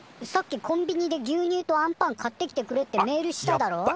さっき「コンビニで牛乳とあんパン買ってきてくれ」ってメールしただろ？